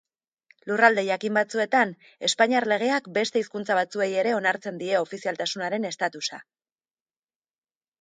Lurralde jakin batzuetan, espainiar legeak beste hizkuntza batzuei ere onartzen die ofizialtasunaren estatusa.